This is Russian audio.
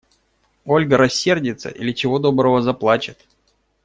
Ольга рассердится или, чего доброго, заплачет.